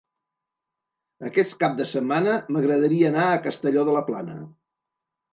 Aquest cap de setmana m'agradaria anar a Castelló de la Plana.